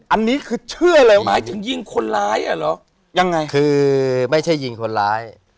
อันนี้คือเชื่อเลยว่าหมายถึงยิงคนร้ายอ่ะเหรอยังไงคือไม่ใช่ยิงคนร้าย